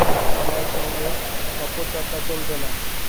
আমার সঙ্গে কপটতা চলবে না।